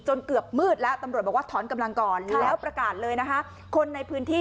เกือบมืดแล้วตำรวจบอกว่าถอนกำลังก่อนแล้วประกาศเลยนะคะคนในพื้นที่